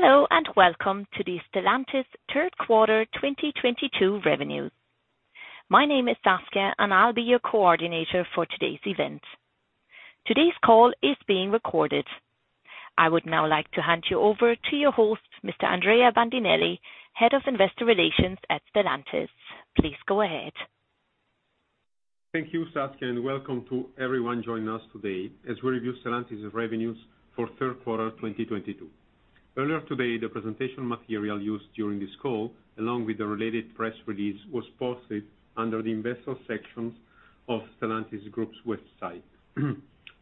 Hello, and welcome to the Stellantis third quarter 2022 revenue. My name is Saskia, and I'll be your coordinator for today's event. Today's call is being recorded. I would now like to hand you over to your host, Mr. Andrea Bandinelli, Head of Investor Relations at Stellantis. Please go ahead. Thank you, Saskia, and welcome to everyone joining us today as we review Stellantis' revenues for third quarter 2022. Earlier today, the presentation material used during this call, along with the related press release, was posted under the Investor section of Stellantis Group's website.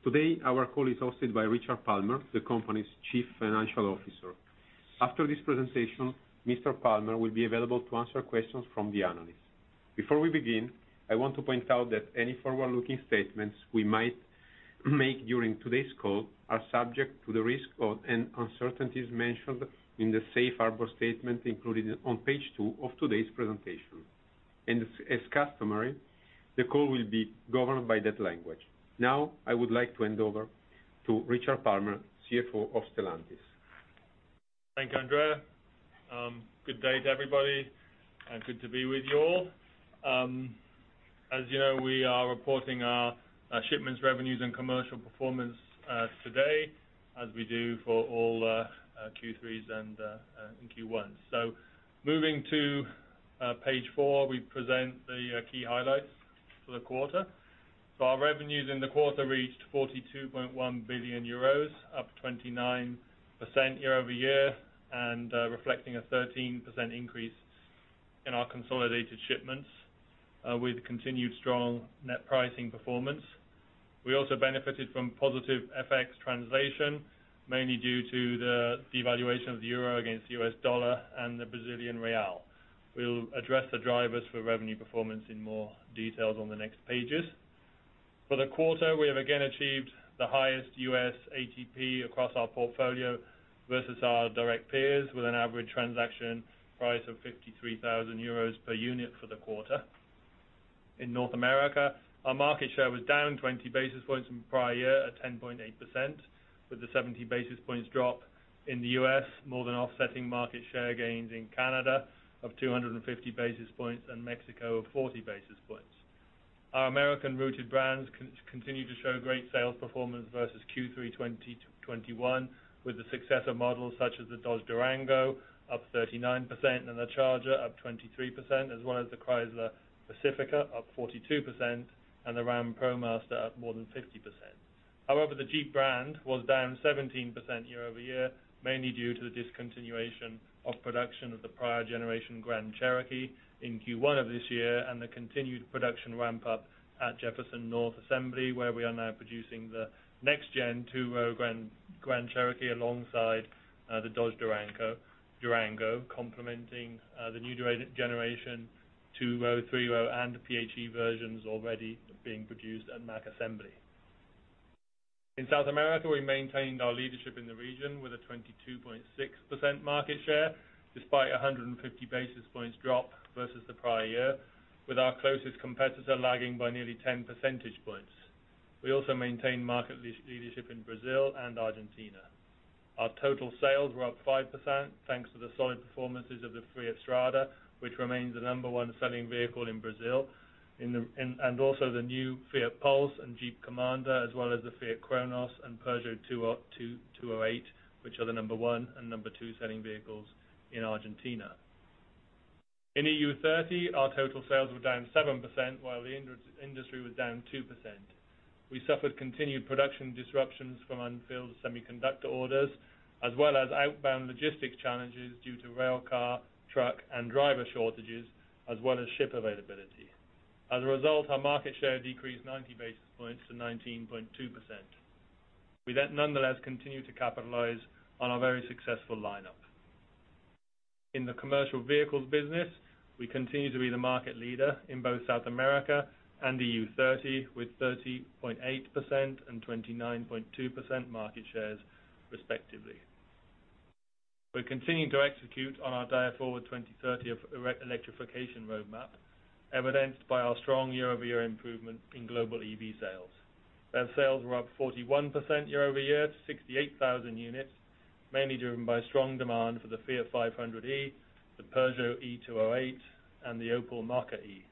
Today, our call is hosted by Richard Palmer, the company's Chief Financial Officer. After this presentation, Mr. Palmer will be available to answer questions from the analysts. Before we begin, I want to point out that any forward-looking statements we might make during today's call are subject to risks and uncertainties mentioned in the safe harbor statement included on page two of today's presentation. As customary, the call will be governed by that language. Now, I would like to hand over to Richard Palmer, CFO of Stellantis. Thank you, Andrea. Good day to everybody, and good to be with you all. As you know, we are reporting our shipments, revenues, and commercial performance today as we do for all Q3s and Q1s. Moving to page four, we present the key highlights for the quarter. Our revenues in the quarter reached 42.1 billion euros, up 29% year-over-year, and reflecting a 13% increase in our consolidated shipments with continued strong net pricing performance. We also benefited from positive FX translation, mainly due to the devaluation of the euro against the U.S. dollar and the Brazilian real. We'll address the drivers for revenue performance in more details on the next pages. For the quarter, we have again achieved the highest U.S. ATP across our portfolio versus our direct peers, with an average transaction price of 53,000 euros per unit for the quarter. In North America, our market share was down 20 basis points from prior year at 10.8%, with the 70 basis points drop in the U.S., more than offsetting market share gains in Canada of 250 basis points and Mexico of 40 basis points. Our American-rooted brands continue to show great sales performance versus Q3 2021, with the successor models such as the Dodge Durango up 39% and the Charger up 23%, as well as the Chrysler Pacifica up 42% and the Ram ProMaster up more than 50%. However, the Jeep brand was down 17% year-over-year, mainly due to the discontinuation of production of the prior generation Grand Cherokee in Q1 of this year and the continued production ramp up at Jefferson North Assembly, where we are now producing the next-gen two-row Grand Cherokee alongside the Dodge Durango, complementing the new generation two-row, three-row, and the PHEV versions already being produced at Mack Assembly. In South America, we maintained our leadership in the region with a 22.6% market share, despite a 150 basis points drop versus the prior year, with our closest competitor lagging by nearly 10 percentage points. We also maintained market leadership in Brazil and Argentina. Our total sales were up 5%, thanks to the solid performances of the Fiat Strada, which remains the number one selling vehicle in Brazil, and also the new Fiat Pulse and Jeep Commander, as well as the Fiat Cronos and Peugeot 208, which are the number one and number two selling vehicles in Argentina. In EU30, our total sales were down 7%, while the industry was down 2%. We suffered continued production disruptions from unfilled semiconductor orders, as well as outbound logistics challenges due to rail car, truck, and driver shortages, as well as ship availability. As a result, our market share decreased 90 basis points to 19.2%. We nonetheless continued to capitalize on our very successful lineup. In the commercial vehicles business, we continue to be the market leader in both South America and EU30, with 30.8% and 29.2% market shares respectively. We're continuing to execute on our Dare Forward 2030 electrification roadmap, evidenced by our strong year-over-year improvement in global EV sales. BEV sales were up 41% year-over-year to 68,000 units, mainly driven by strong demand for the Fiat 500e, the Peugeot e-208, and the Opel Mokka-e.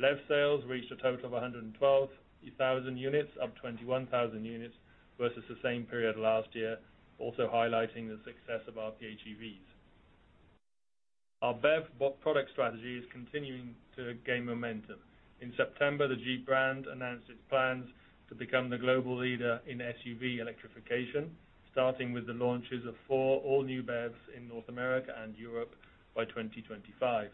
LEV sales reached a total of 112,000 units, up 21,000 units versus the same period last year, also highlighting the success of our PHEVs. Our BEV product strategy is continuing to gain momentum. In September, the Jeep brand announced its plans to become the global leader in SUV electrification, starting with the launches of four all new BEVs in North America and Europe by 2025.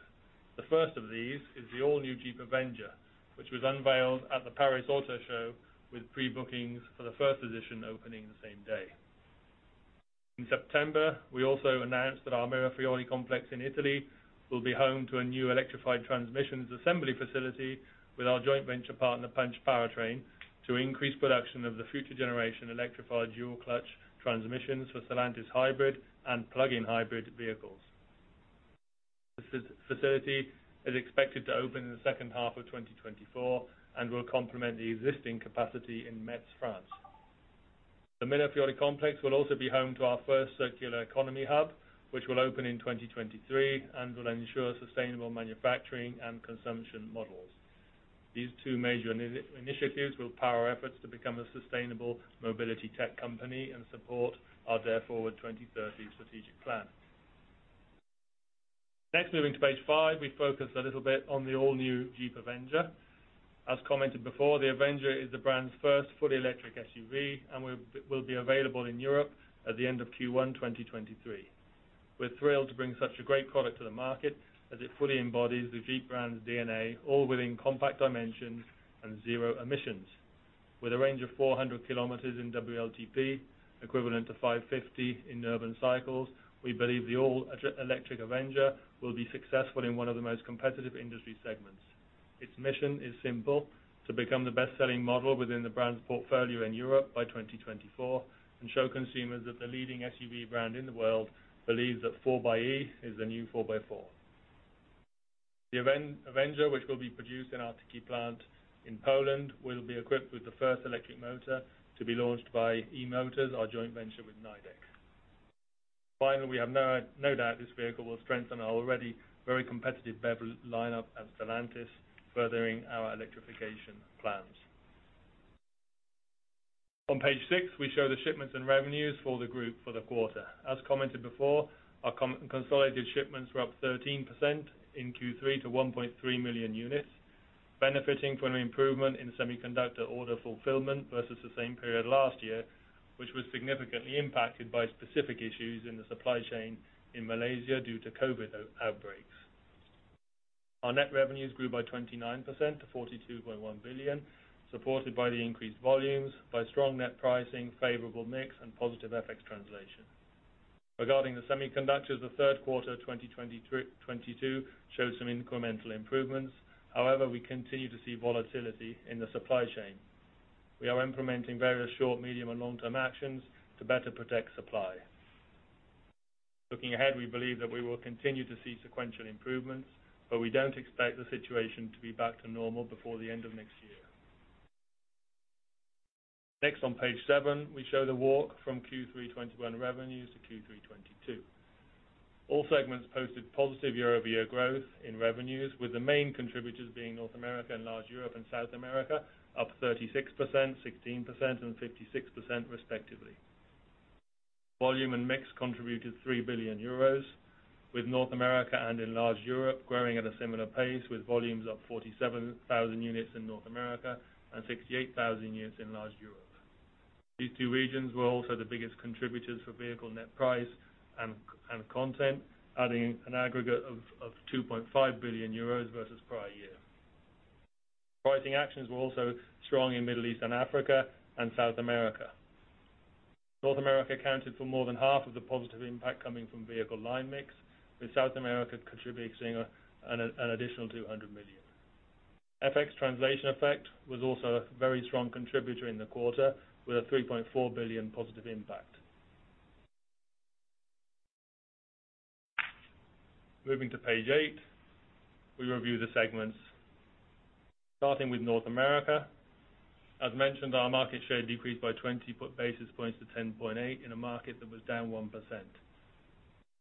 The first of these is the all new Jeep Avenger, which was unveiled at the Paris Motor Show, with pre-bookings for the first edition opening the same day. In September, we also announced that our Mirafiori complex in Italy will be home to a new electrified transmissions assembly facility with our joint venture partner, Punch Powertrain, to increase production of the future generation electrified dual-clutch transmissions for Stellantis hybrid and plug-in hybrid vehicles. The facility is expected to open in the second half of 2024, and will complement the existing capacity in Metz, France. The Mirafiori complex will also be home to our first circular economy hub, which will open in 2023, and will ensure sustainable manufacturing and consumption models. These two major initiatives will power our efforts to become a sustainable mobility tech company and support our Dare Forward 2030 strategic plan. Next, moving to page five, we focus a little bit on the all-new Jeep Avenger. As commented before, the Avenger is the brand's first fully electric SUV, and will be available in Europe at the end of Q1 2023. We're thrilled to bring such a great product to the market, as it fully embodies the Jeep brand's DNA, all within compact dimensions and zero emissions. With a range of 400 km in WLTP, equivalent to 550 km in urban cycles, we believe the all-electric Avenger will be successful in one of the most competitive industry segments. Its mission is simple, to become the best-selling model within the brand's portfolio in Europe by 2024, and show consumers that the leading SUV brand in the world believes that 4xe is the new 4x4. The Jeep Avenger, which will be produced in our Tychy plant in Poland, will be equipped with the first electric motor to be launched by Emotors, our joint venture with Nidec. Finally, we have no doubt this vehicle will strengthen our already very competitive BEV lineup at Stellantis, furthering our electrification plans. On page six, we show the shipments and revenues for the group for the quarter. As commented before, our consolidated shipments were up 13% in Q3 to 1.3 million units, benefiting from an improvement in semiconductor order fulfillment versus the same period last year, which was significantly impacted by specific issues in the supply chain in Malaysia due to COVID outbreaks. Our net revenues grew by 29% to 42.1 billion, supported by the increased volumes, by strong net pricing, favorable mix, and positive FX translation. Regarding the semiconductors, the third quarter of 2022 showed some incremental improvements. However, we continue to see volatility in the supply chain. We are implementing various short, medium, and long-term actions to better protect supply. Looking ahead, we believe that we will continue to see sequential improvements, but we don't expect the situation to be back to normal before the end of next year. Next on page seven, we show the walk from Q3 2021 revenues to Q3 2022. All segments posted positive year-over-year growth in revenues, with the main contributors being North America, Enlarged Europe, and South America up 36%, 16%, and 56% respectively. Volume and mix contributed 3 billion euros, with North America and Enlarged Europe growing at a similar pace with volumes up 47,000 units in North America and 68,000 units in Enlarged Europe. These two regions were also the biggest contributors for vehicle net price and content, adding an aggregate of 2.5 billion euros versus prior year. Pricing actions were also strong in Middle East and Africa and South America. North America accounted for more than half of the positive impact coming from vehicle line mix, with South America contributing an additional 200 million. FX translation effect was also a very strong contributor in the quarter, with a 3.4 billion positive impact. Moving to page eight, we review the segments. Starting with North America, as mentioned, our market share decreased by 20 basis points to 10.8 in a market that was down 1%.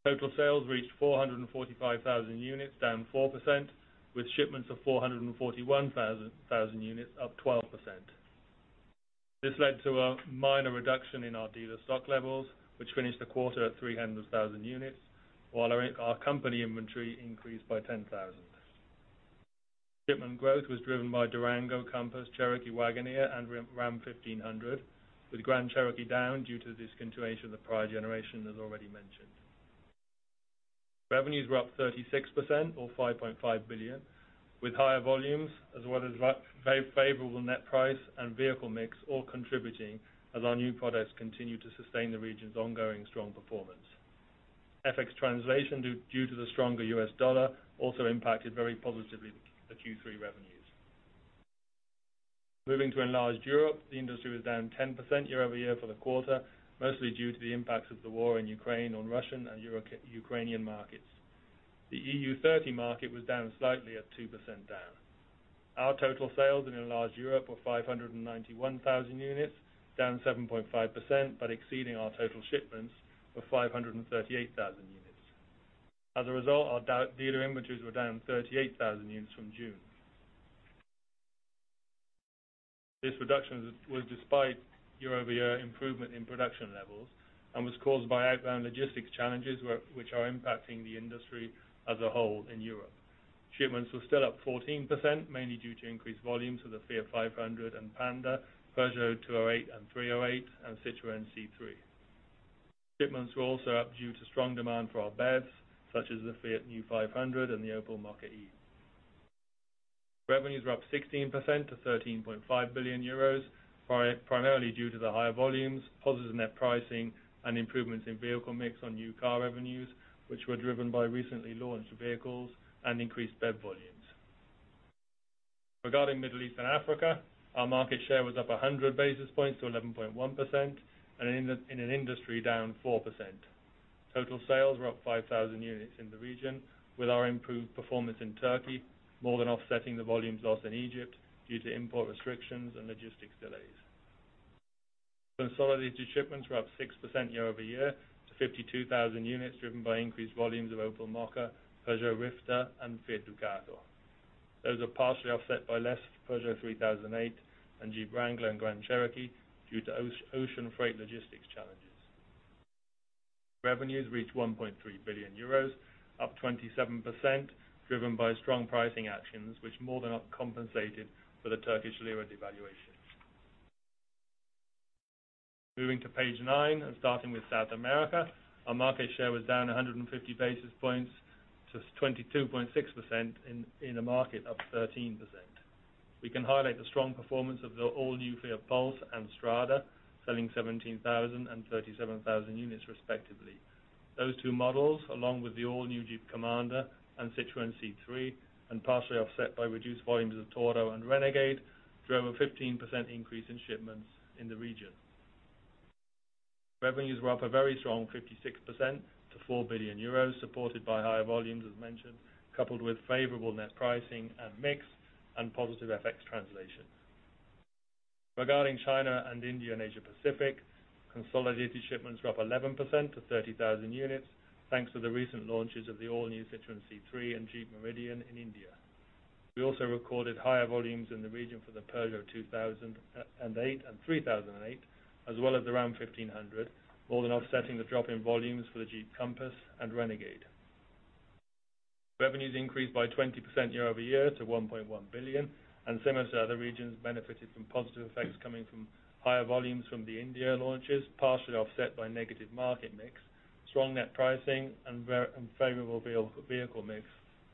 Total sales reached 445,000 units, down 4%, with shipments of 441,000 units, up 12%. This led to a minor reduction in our dealer stock levels, which finished the quarter at 300,000 units, while our company inventory increased by 10,000. Shipment growth was driven by Durango, Compass, Cherokee, Wagoneer, and Ram 1500, with Grand Cherokee down due to the discontinuation of the prior generation, as already mentioned. Revenues were up 36%, or 5.5 billion, with higher volumes as well as very favorable net price and vehicle mix all contributing as our new products continue to sustain the region's ongoing strong performance. FX translation due to the stronger U.S. dollar also impacted very positively the Q3 revenues. Moving to Enlarged Europe, the industry was down 10% year-over-year for the quarter, mostly due to the impacts of the war in Ukraine on Russian and Ukrainian markets. The EU30 market was down slightly at 2% down. Our total sales in Enlarged Europe were 591,000 units, down 7.5%, but exceeding our total shipments of 538,000 units. As a result, our dealer inventories were down 38,000 units from June. This reduction was despite year-over-year improvement in production levels and was caused by outbound logistics challenges which are impacting the industry as a whole in Europe. Shipments were still up 14%, mainly due to increased volumes of the Fiat 500 and Panda, Peugeot 208 and 308, and Citroën C3. Shipments were also up due to strong demand for our BEVs, such as the Fiat New 500 and the Opel Mokka-e. Revenues were up 16% to 13.5 billion euros, primarily due to the higher volumes, positive net pricing, and improvements in vehicle mix on new car revenues, which were driven by recently launched vehicles and increased BEV volumes. Regarding Middle East and Africa, our market share was up 100 basis points to 11.1% in an industry down 4%. Total sales were up 5,000 units in the region, with our improved performance in Turkey more than offsetting the volumes lost in Egypt due to import restrictions and logistics delays. Consolidated shipments were up 6% year-over-year to 52,000 units, driven by increased volumes of Opel Mokka, Peugeot Rifter and Fiat Ducato. Those are partially offset by less Peugeot 3008 and Jeep Wrangler and Grand Cherokee due to ocean freight logistics challenges. Revenues reached 1.3 billion euros, up 27%, driven by strong pricing actions which more than compensated for the Turkish lira devaluation. Moving to page nine and starting with South America, our market share was down 150 basis points to 22.6% in a market up 13%. We can highlight the strong performance of the all-new Fiat Pulse and Strada, selling 17,000 and 37,000 units respectively. Those two models, along with the all-new Jeep Commander and Citroën C3 and partially offset by reduced volumes of Toro and Renegade, drove a 15% increase in shipments in the region. Revenues were up a very strong 56% to 4 billion euros, supported by higher volumes, as mentioned, coupled with favorable net pricing and mix and positive FX translations. Regarding China and India and Asia Pacific, consolidated shipments were up 11% to 30,000 units, thanks to the recent launches of the all-new Citroën C3 and Jeep Meridian in India. We also recorded higher volumes in the region for the Peugeot 2008 and 3008, as well as the Ram 1500, more than offsetting the drop in volumes for the Jeep Compass and Renegade. Revenues increased by 20% year-over-year to 1.1 billion, and same as the other regions benefited from positive effects coming from higher volumes from the India launches, partially offset by negative market mix, strong net pricing and favorable vehicle mix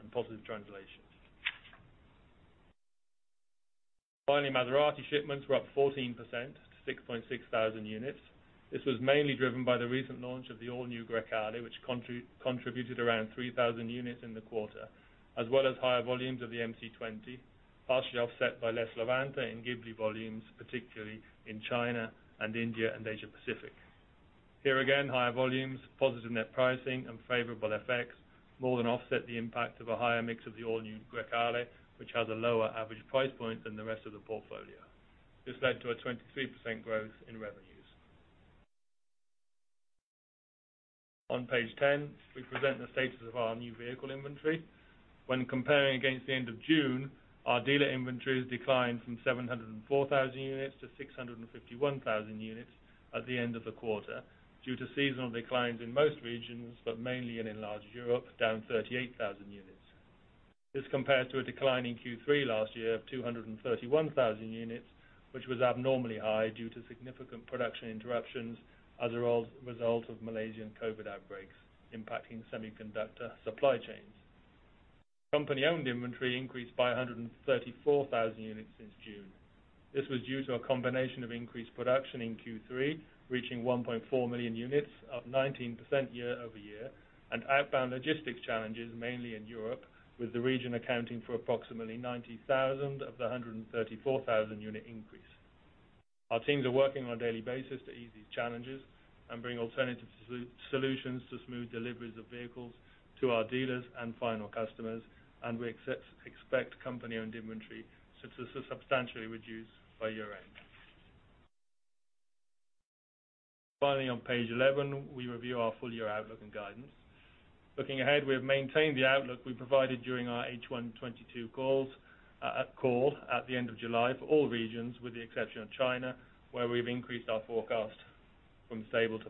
and positive translations. Finally, Maserati shipments were up 14% to 6,600 units. This was mainly driven by the recent launch of the all-new Grecale, which contributed around 3,000 units in the quarter, as well as higher volumes of the MC20, partially offset by less Levante and Ghibli volumes, particularly in China and India and Asia Pacific. Here again, higher volumes, positive net pricing and favorable effects more than offset the impact of a higher mix of the all-new Grecale, which has a lower average price point than the rest of the portfolio. This led to a 23% growth in revenues. On page 10, we present the status of our new vehicle inventory. When comparing against the end of June, our dealer inventories declined from 704,000 units to 651,000 units at the end of the quarter due to seasonal declines in most regions, but mainly in enlarged Europe, down 38,000 units. This compared to a decline in Q3 last year of 231,000 units, which was abnormally high due to significant production interruptions as a result of Malaysian COVID outbreaks impacting semiconductor supply chains. Company-owned inventory increased by 134,000 units since June. This was due to a combination of increased production in Q3, reaching 1.4 million units, up 19% year-over-year, and outbound logistics challenges, mainly in Europe, with the region accounting for approximately 90,000 of the 134,000 unit increase. Our teams are working on a daily basis to ease these challenges and bring alternative solutions to smooth deliveries of vehicles to our dealers and final customers, and we expect company-owned inventory to substantially reduce by year-end. Finally, on page 11, we review our full year outlook and guidance. Looking ahead, we have maintained the outlook we provided during our H1 2022 call at the end of July for all regions, with the exception of China, where we've increased our forecast from stable to +5%.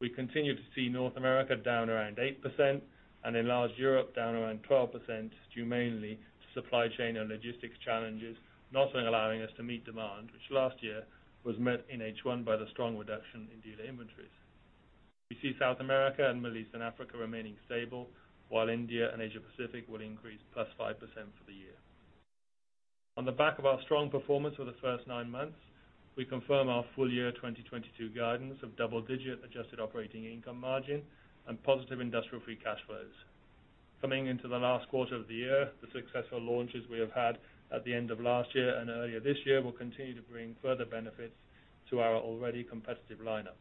We continue to see North America down around 8% and enlarged Europe down around 12%, due mainly to supply chain and logistics challenges, not allowing us to meet demand, which last year was met in H1 by the strong reduction in dealer inventories. We see South America and Middle East and Africa remaining stable, while India and Asia Pacific will increase +5% for the year. On the back of our strong performance for the first nine months, we confirm our full year 2022 guidance of double-digit adjusted operating income margin and positive industrial free cash flows. Coming into the last quarter of the year, the successful launches we have had at the end of last year and earlier this year will continue to bring further benefits to our already competitive lineup.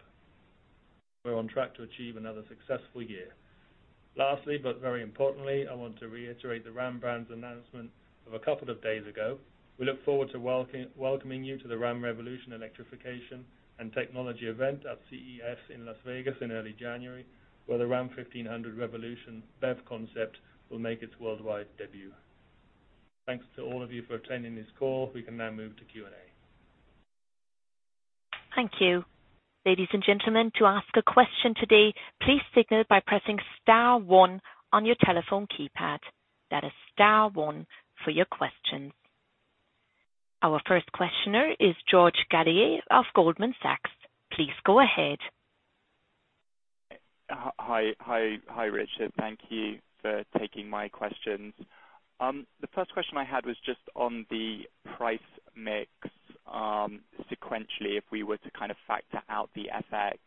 We're on track to achieve another successful year. Lastly, but very importantly, I want to reiterate the Ram brand's announcement of a couple of days ago. We look forward to welcoming you to the Ram Revolution Electrification and Technology event at CES in Las Vegas in early January, where the Ram 1500 Revolution BEV concept will make its worldwide debut. Thanks to all of you for attending this call. We can now move to Q&A. Thank you. Ladies and gentlemen, to ask a question today, please signal by pressing star one on your telephone keypad. That is star one for your questions. Our first questioner is George Galliers of Goldman Sachs. Please go ahead. Hi, Richard. Thank you for taking my questions. The first question I had was just on the price mix, sequentially, if we were to kind of factor out the FX.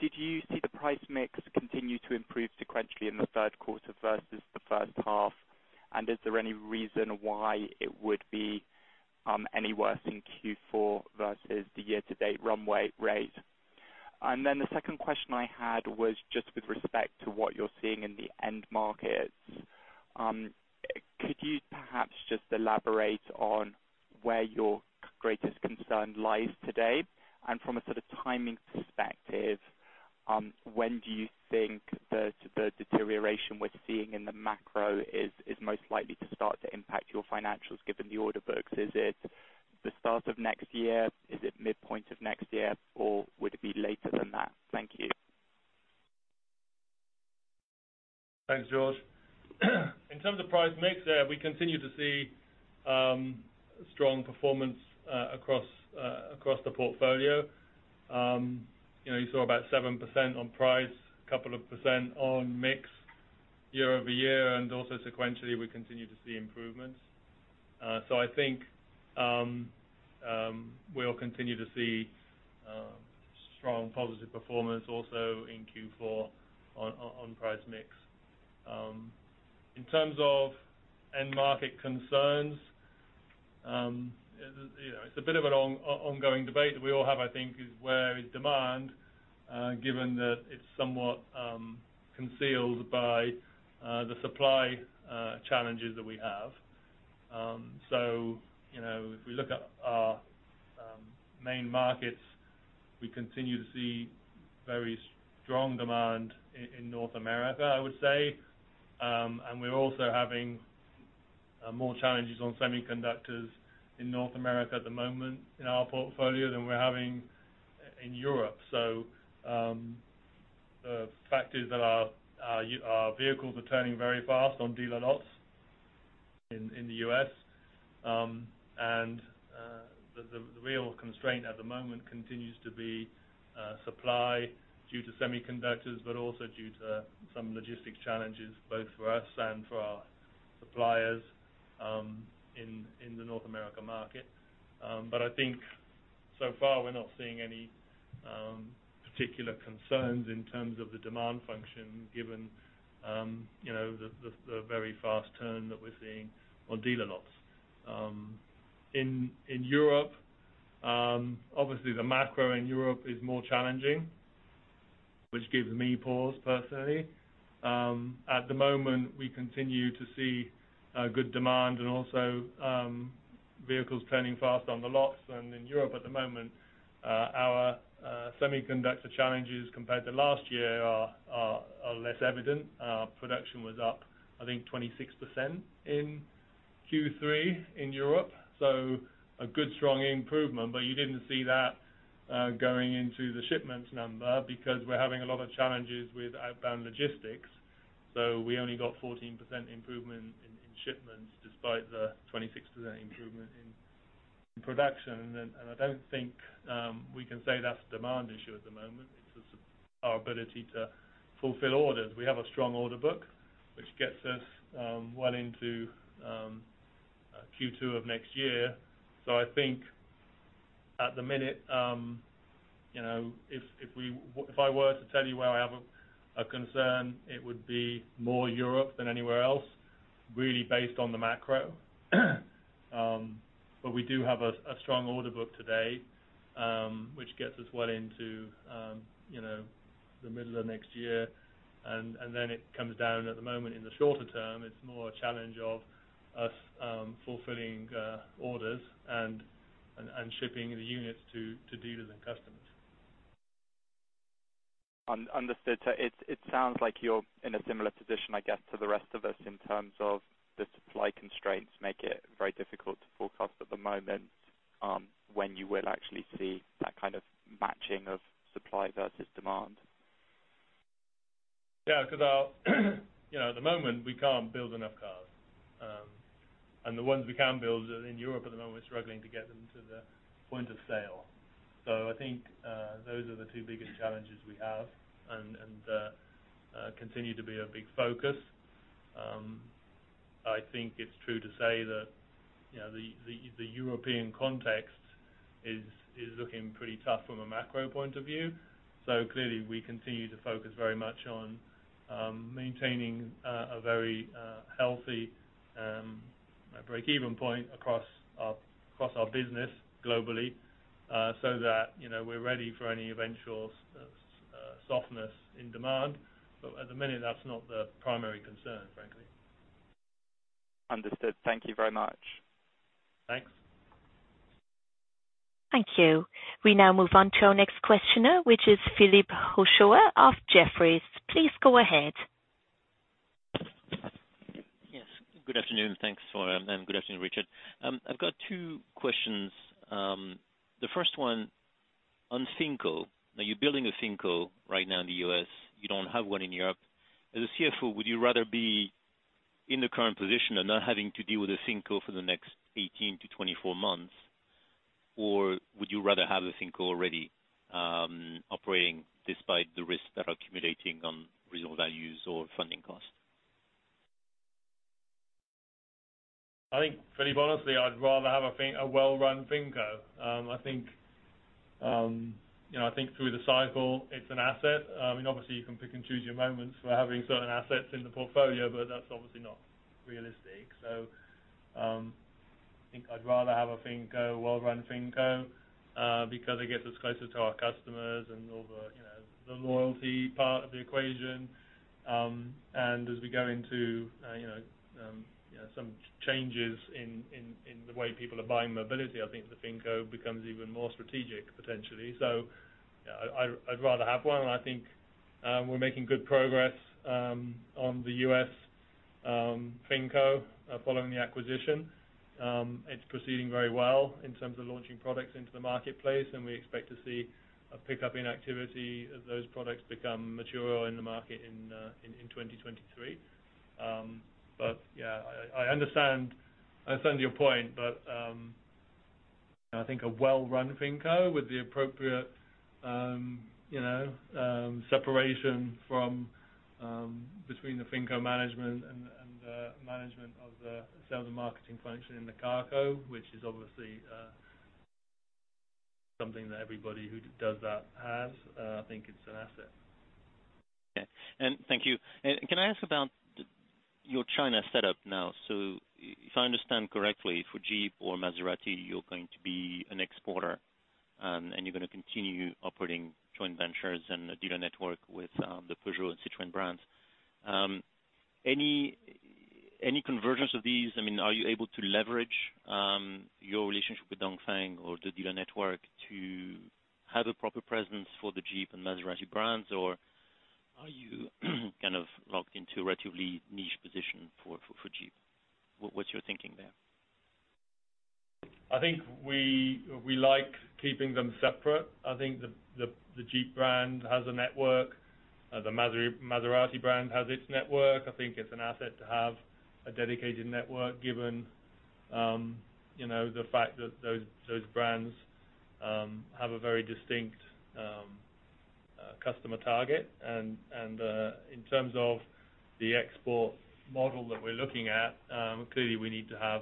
Did you see the price mix continue to improve sequentially in the third quarter versus the first half? Is there any reason why it would be any worse in Q4 versus the year-to-date runway rate? The second question I had was just with respect to what you're seeing in the end markets. Could you perhaps just elaborate on where your greatest concern lies today? From a sort of timing perspective, when do you think the deterioration we're seeing in the macro is most likely to start to impact your financials given the order books? Is it the start of next year? Is it midpoint of next year? Or would it be later than that? Thank you. Thanks, George. In terms of price mix, we continue to see strong performance across the portfolio. You know, you saw about 7% on price, a couple of percent on mix year-over-year, and also sequentially, we continue to see improvements. So I think we'll continue to see strong positive performance also in Q4 on price mix. In terms of end market concerns, you know, it's a bit of an ongoing debate that we all have, I think, is where is demand given that it's somewhat concealed by the supply challenges that we have. You know, if we look at our main markets, we continue to see very strong demand in North America, I would say. We're also having more challenges on semiconductors in North America at the moment in our portfolio than we're having in Europe. The fact is that our vehicles are turning very fast on dealer lots in the U.S. The real constraint at the moment continues to be supply due to semiconductors, but also due to some logistic challenges both for us and for our suppliers in the North America market. I think so far, we're not seeing any particular concerns in terms of the demand function given you know the very fast turn that we're seeing on dealer lots. In Europe, obviously the macro in Europe is more challenging, which gives me pause personally. At the moment, we continue to see good demand and also vehicles turning fast on the lots. In Europe at the moment, our semiconductor challenges compared to last year are less evident. Our production was up, I think, 26% in Q3 in Europe, so a good, strong improvement. You didn't see that going into the shipments number because we're having a lot of challenges with outbound logistics. We only got 14% improvement in shipments despite the 26% improvement in production. I don't think we can say that's a demand issue at the moment. It's just our ability to fulfill orders. We have a strong order book which gets us well into Q2 of next year. I think at the minute, you know, if I were to tell you where I have a concern, it would be more Europe than anywhere else, really based on the macro. We do have a strong order book today, which gets us well into, you know, the middle of next year. Then it comes down. At the moment in the shorter term, it's more a challenge of us fulfilling orders and shipping the units to dealers and customers. Understood. It sounds like you're in a similar position, I guess, to the rest of us in terms of the supply constraints make it very difficult to forecast at the moment when you will actually see that kind of matching of supply versus demand. Yeah, 'cause you know, at the moment we can't build enough cars. The ones we can build in Europe at the moment, we're struggling to get them to the point of sale. I think those are the two biggest challenges we have and continue to be a big focus. I think it's true to say that, you know, the European context is looking pretty tough from a macro point of view. Clearly, we continue to focus very much on maintaining a very healthy break-even point across our business globally, so that, you know, we're ready for any eventual softness in demand. At the minute, that's not the primary concern, frankly. Understood. Thank you very much. Thanks. Thank you. We now move on to our next questioner, which is Philippe Houchois of Jefferies. Please go ahead. Yes. Good afternoon. Thanks, [Flora], and good afternoon, Richard. I've got two questions. The first one on FinCo. Now, you're building a FinCo right now in the U.S. You don't have one in Europe. As a CFO, would you rather be in the current position and not having to deal with a FinCo for the next 18-24 months, or would you rather have a FinCo already, operating despite the risks that are accumulating on reasonable values or funding costs? I think, Philippe, honestly, I'd rather have a well-run FinCo. I think, you know, I think through the cycle it's an asset. Obviously you can pick and choose your moments for having certain assets in the portfolio, but that's obviously not realistic. I think I'd rather have a FinCo, a well-run FinCo, because it gets us closer to our customers and all the, you know, the loyalty part of the equation. As we go into, you know, you know some changes in the way people are buying mobility, I think the FinCo becomes even more strategic, potentially. I'd rather have one and I think we're making good progress on the U.S. FinCo following the acquisition. It's proceeding very well in terms of launching products into the marketplace, and we expect to see a pickup in activity as those products become mature in the market in 2023. Yeah, I understand your point, but I think a well-run FinCo with the appropriate, you know, separation between the FinCo management and the management of the sales and marketing function in the CarCo, which is obviously something that everybody who does that has. I think it's an asset. Okay. Thank you. Can I ask about your China setup now? If I understand correctly, for Jeep or Maserati, you're going to be an exporter, and you're gonna continue operating joint ventures and a dealer network with the Peugeot and Citroën brands. Any convergence of these? I mean, are you able to leverage your relationship with Dongfeng or the dealer network to have a proper presence for the Jeep and Maserati brands, or are you kind of locked into a relatively niche position for Jeep? What's your thinking there? I think we like keeping them separate. I think the Jeep brand has a network, the Maserati brand has its network. I think it's an asset to have a dedicated network given you know the fact that those brands have a very distinct customer target. In terms of the export model that we're looking at, clearly we need to have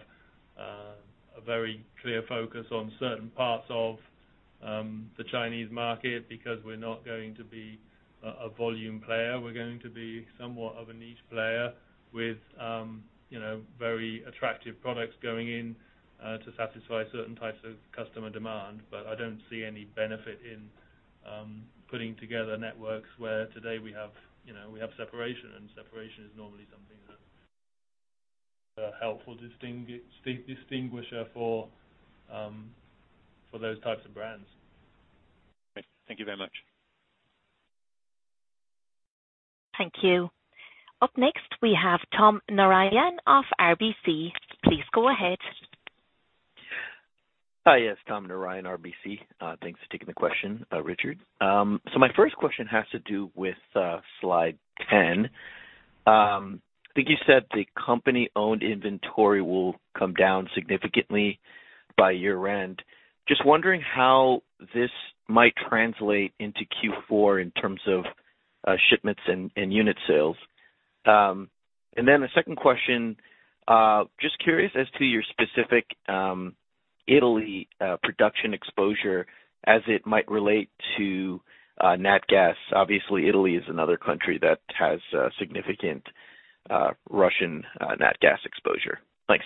a very clear focus on certain parts of the Chinese market because we're not going to be a volume player. We're going to be somewhat of a niche player with you know very attractive products going in to satisfy certain types of customer demand. I don't see any benefit in putting together networks where today we have, you know, we have separation, and separation is normally something that a helpful distinguisher for those types of brands. Thank you very much. Thank you. Up next, we have Tom Narayan of RBC. Please go ahead. Hi, yes, Tom Narayan, RBC. Thanks for taking the question, Richard. My first question has to do with slide 10. I think you said the company-owned inventory will come down significantly by year-end. Just wondering how this might translate into Q4 in terms of shipments and unit sales. A second question, just curious as to your specific Italy production exposure as it might relate to nat gas. Obviously, Italy is another country that has significant Russian nat gas exposure. Thanks.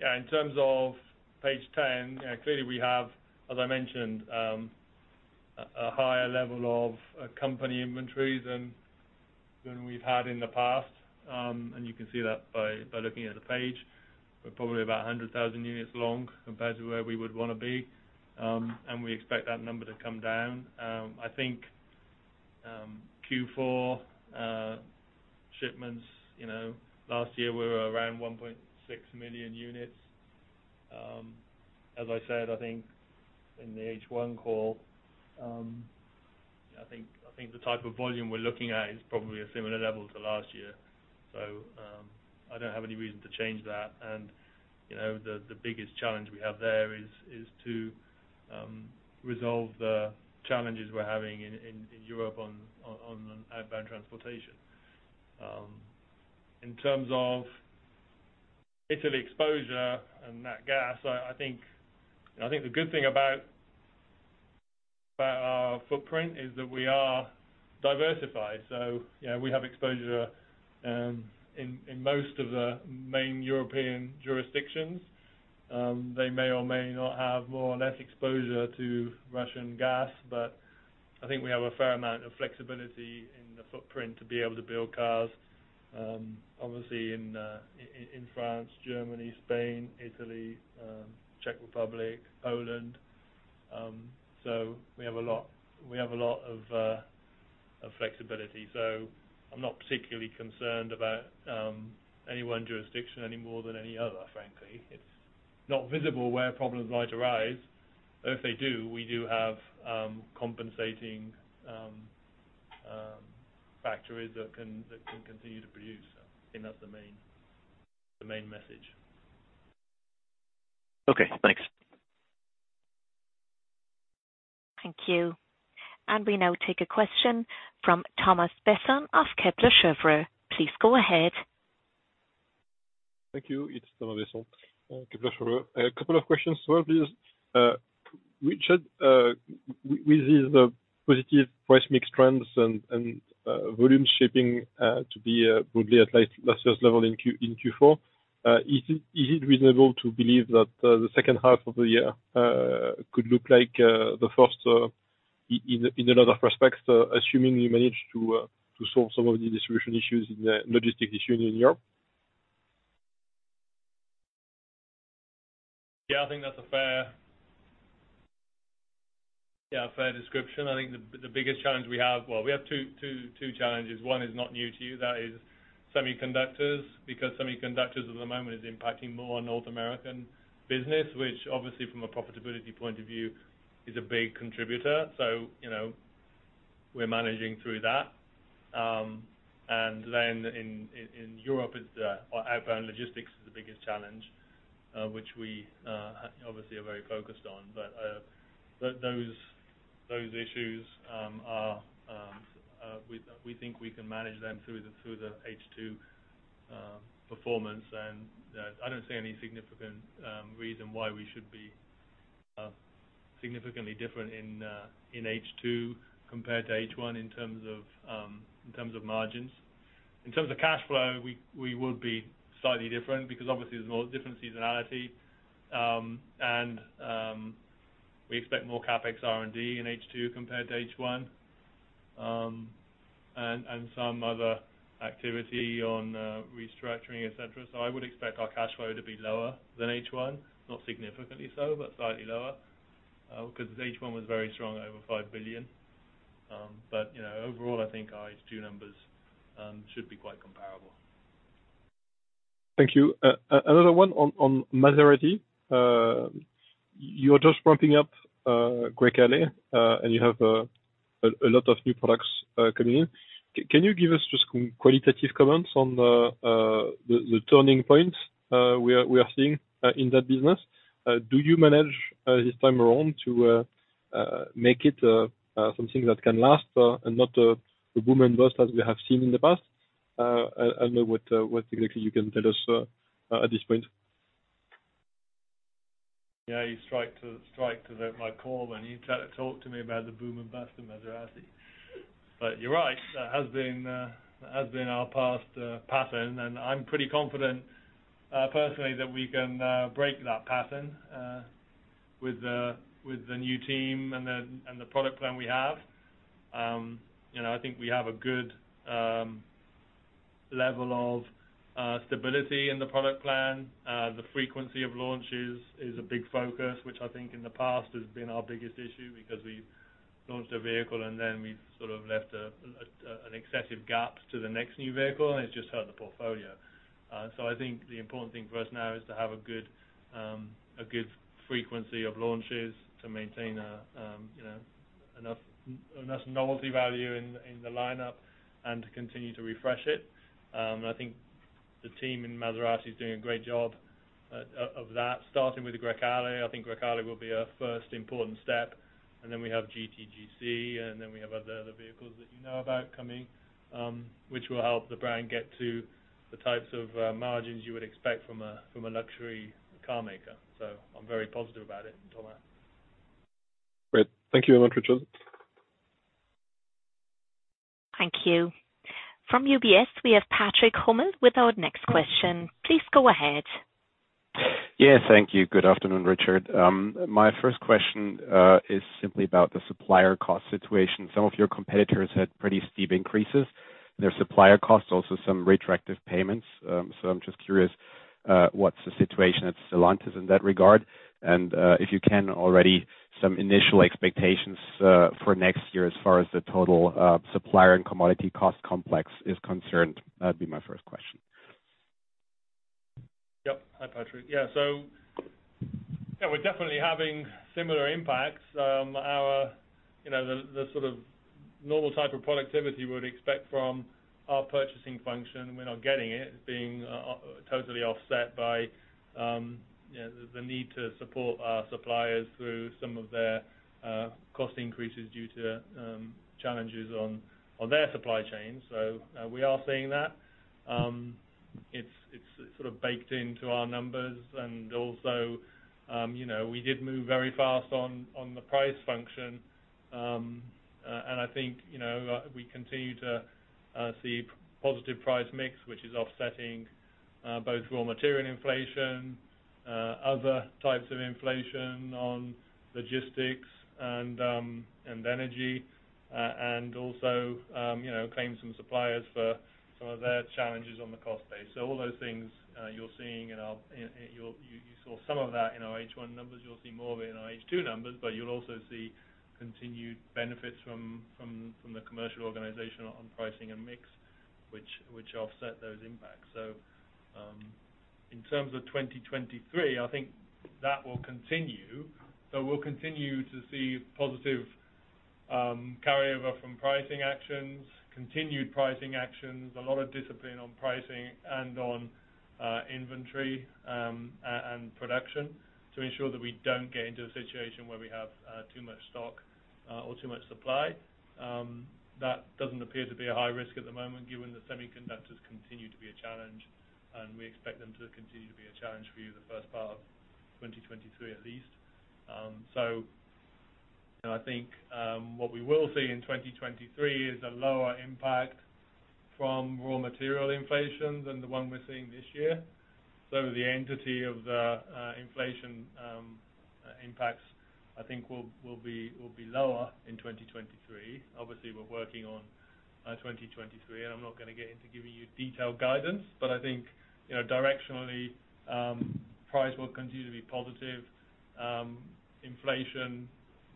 Yeah, in terms of page 10, you know, clearly we have, as I mentioned, a higher level of company inventories than we've had in the past. You can see that by looking at the page. We're probably about 100,000 units long compared to where we would wanna be. We expect that number to come down. I think Q4 shipments, you know, last year we were around 1.6 million units. As I said, I think in the H1 call, I think the type of volume we're looking at is probably a similar level to last year. I don't have any reason to change that. You know, the biggest challenge we have there is to resolve the challenges we're having in Europe on outbound transportation. In terms of Italy exposure and nat gas, I think, you know, I think the good thing about our footprint is that we are diversified. You know, we have exposure in most of the main European jurisdictions. They may or may not have more or less exposure to Russian gas, but I think we have a fair amount of flexibility in the footprint to be able to build cars, obviously in France, Germany, Spain, Italy, Czech Republic, Poland. We have a lot of flexibility. I'm not particularly concerned about any one jurisdiction any more than any other, frankly. It's not visible where problems might arise. If they do, we do have compensating factories that can continue to produce. I think that's the main message. Okay, thanks. Thank you. We now take a question from Thomas Besson of Kepler Cheuvreux. Please go ahead. Thank you. It's Thomas Besson, Kepler Cheuvreux. A couple of questions for you. Richard, with the positive price mix trends and volume shaping to be broadly at last year's level in Q4. Is it reasonable to believe that the second half of the year could look like the first in a lot of respects, assuming you managed to solve some of the distribution and logistics issues in Europe? Yeah, I think that's a fair description. I think the biggest challenge we have. Well, we have two challenges. One is not new to you. That is semiconductors, because semiconductors at the moment is impacting more North American business, which obviously from a profitability point of view is a big contributor. So, you know, we're managing through that. In Europe, it's our outbound logistics is the biggest challenge, which we obviously are very focused on. Those issues, we think we can manage them through the H2 performance. I don't see any significant reason why we should be significantly different in H2 compared to H1 in terms of margins. In terms of cash flow, we would be slightly different because obviously there's more different seasonality, and we expect more CapEx R&D in H2 compared to H1, and some other activity on restructuring, et cetera. I would expect our cash flow to be lower than H1, not significantly so, but slightly lower, because H1 was very strong, over 5 billion. You know, overall, I think our H2 numbers should be quite comparable. Thank you. Another one on Maserati. You're just ramping up Grecale, and you have a lot of new products coming in. Can you give us just qualitative comments on the turning points we are seeing in that business? Do you manage this time around to make it something that can last, and not the boom and bust as we have seen in the past? I don't know what exactly you can tell us at this point. Yeah, you strike to the core when you talk to me about the boom and bust of Maserati. You're right, that has been our past pattern, and I'm pretty confident personally that we can break that pattern with the new team and the product plan we have. You know, I think we have a good level of stability in the product plan. The frequency of launches is a big focus, which I think in the past has been our biggest issue because we've launched a vehicle and then we've sort of left an excessive gap to the next new vehicle, and it's just hurt the portfolio. I think the important thing for us now is to have a good frequency of launches to maintain a you know enough novelty value in the lineup and to continue to refresh it. I think the team in Maserati is doing a great job of that starting with the Grecale. I think Grecale will be a first important step. We have GT/GC and we have other vehicles that you know about coming which will help the brand get to the types of margins you would expect from a luxury car maker. I'm very positive about it, Thomas. Great. Thank you very much, Richard. Thank you. From UBS, we have Patrick Hummel with our next question. Please go ahead. Yeah, thank you. Good afternoon, Richard. My first question is simply about the supplier cost situation. Some of your competitors had pretty steep increases in their supplier costs, also some retroactive payments. I'm just curious, what's the situation at Stellantis in that regard. If you can already, some initial expectations for next year as far as the total supplier and commodity cost complex is concerned. That'd be my first question. Yep. Hi, Patrick. Yeah, yeah, we're definitely having similar impacts. Our you know the sort of normal type of productivity you would expect from our purchasing function, we're not getting it. It's being totally offset by, you know, the need to support our suppliers through some of their cost increases due to challenges on their supply chain. We are seeing that. It's sort of baked into our numbers. Also, you know, we did move very fast on the price function. I think, you know, we continue to see positive price mix, which is offsetting both raw material inflation, other types of inflation on logistics and energy, and also, you know, claims from suppliers for some of their challenges on the cost base. All those things you're seeing in our. You saw some of that in our H1 numbers. You'll see more of it in our H2 numbers, but you'll also see continued benefits from the commercial organization on pricing and mix, which offset those impacts. In terms of 2023, I think that will continue. We'll continue to see positive carryover from pricing actions, continued pricing actions, a lot of discipline on pricing and on inventory and production to ensure that we don't get into a situation where we have too much stock or too much supply. That doesn't appear to be a high risk at the moment, given that semiconductors continue to be a challenge, and we expect them to continue to be a challenge through the first part of 2023 at least. You know, I think what we will see in 2023 is a lower impact from raw material inflation than the one we're seeing this year. The magnitude of the inflation impacts, I think, will be lower in 2023. Obviously, we're working on 2023, and I'm not gonna get into giving you detailed guidance, but I think, you know, directionally, price will continue to be positive. Inflation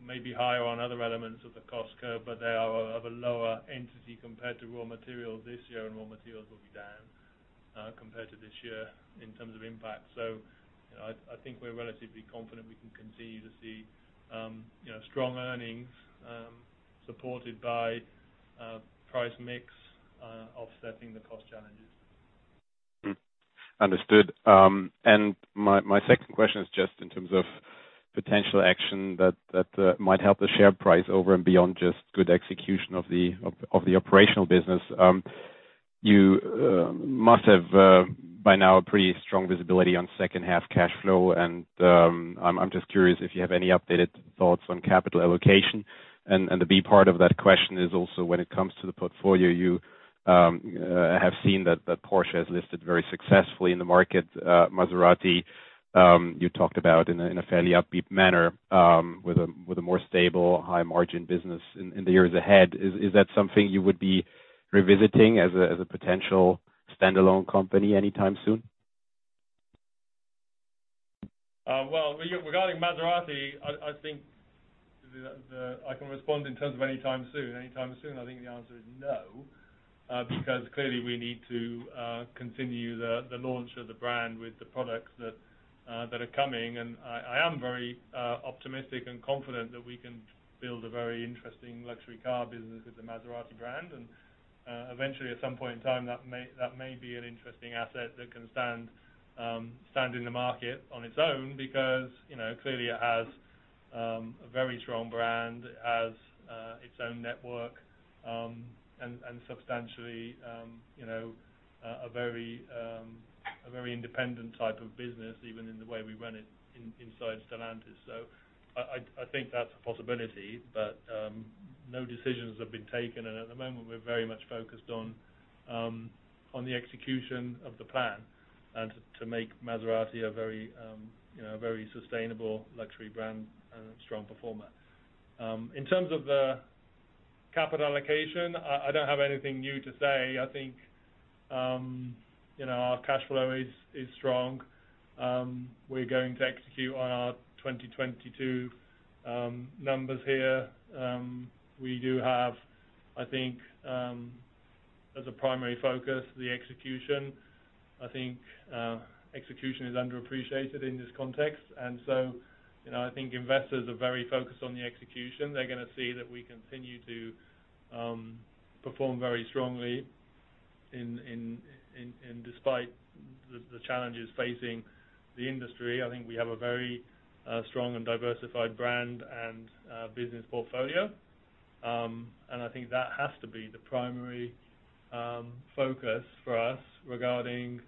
may be higher on other elements of the cost curve, but they are of a lower magnitude compared to raw materials this year, and raw materials will be down compared to this year in terms of impact. You know, I think we're relatively confident we can continue to see, you know, strong earnings supported by price mix offsetting the cost challenges. Understood. My second question is just in terms of potential action that might help the share price over and beyond just good execution of the operational business. You must have by now a pretty strong visibility on second half cash flow, and I'm just curious if you have any updated thoughts on capital allocation. The B part of that question is also when it comes to the portfolio. You have seen that Porsche has listed very successfully in the market. Maserati, you talked about in a fairly upbeat manner, with a more stable high margin business in the years ahead. Is that something you would be revisiting as a potential standalone company anytime soon? Well, regarding Maserati, I think I can respond in terms of anytime soon. Anytime soon, I think the answer is no, because clearly we need to continue the launch of the brand with the products that are coming. I am very optimistic and confident that we can build a very interesting luxury car business with the Maserati brand. Eventually at some point in time, that may be an interesting asset that can stand in the market on its own because, you know, clearly it has a very strong brand. It has its own network, and substantially, you know, a very independent type of business, even in the way we run it inside Stellantis. I think that's a possibility, but no decisions have been taken, and at the moment, we're very much focused on the execution of the plan and to make Maserati a very, you know, a very sustainable luxury brand and a strong performer. In terms of the capital allocation, I don't have anything new to say. I think, you know, our cash flow is strong. We're going to execute on our 2022 numbers here. We do have, I think, as a primary focus, the execution. I think execution is underappreciated in this context. You know, I think investors are very focused on the execution. They're gonna see that we continue to perform very strongly in, despite the challenges facing the industry. I think we have a very strong and diversified brand and business portfolio. I think that has to be the primary focus for us regarding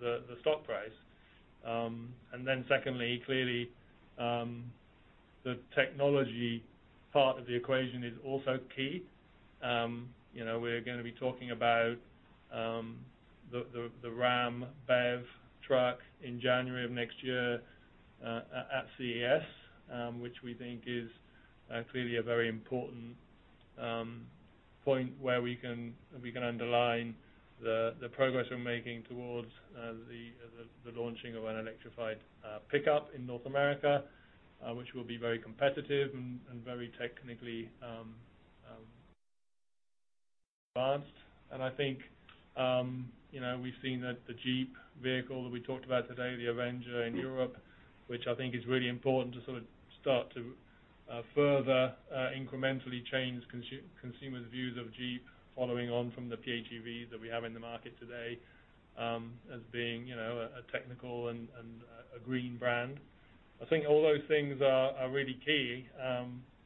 the stock price. Secondly, clearly, the technology part of the equation is also key. You know, we're gonna be talking about the Ram BEV truck in January of next year at CES, which we think is clearly a very important point where we can underline the progress we're making towards the launching of an electrified pickup in North America, which will be very competitive and very technically advanced. I think, you know, we've seen that the Jeep vehicle that we talked about today, the Avenger in Europe, which I think is really important to sort of start to further incrementally change consumers' views of Jeep, following on from the PHEVs that we have in the market today, as being, you know, a technical and a green brand. I think all those things are really key.